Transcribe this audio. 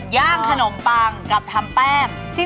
ย่างขนมปังกับทำแป้ง